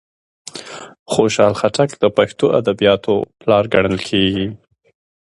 خوشال خټک د پښتو ادبیاتوپلار کڼل کیږي.